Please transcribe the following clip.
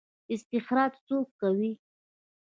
استخراج څوک کوي؟